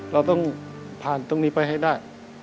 เราต้องผ่านตรงนี้ไปให้ได้